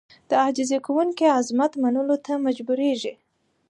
د عاجزي کوونکي عظمت منلو ته مجبورېږي.